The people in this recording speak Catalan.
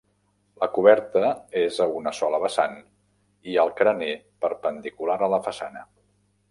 La coberta és a una sola vessant i el carener perpendicular a la façana.